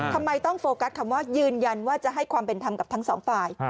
ทำไมต้องโฟกัสคำว่ายืนยันว่าจะให้ความเป็นธรรมกับทั้งสองฝ่าย